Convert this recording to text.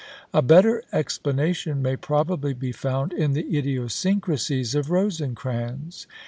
A better explanation may probably be found in the idiosyncrasies of Rosecrans.